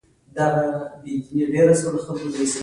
د انډریو کارنګي د ستر سوداګریز بنسټ یادونه هم کوو